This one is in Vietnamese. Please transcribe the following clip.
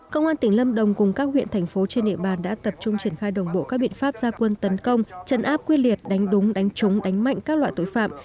công an tỉnh lâm đồng cùng các huyện thành phố trên địa bàn đã tập trung triển khai đồng bộ các biện pháp gia quân tấn công chấn áp quyết liệt đánh đúng đánh trúng đánh mạnh các loại tội phạm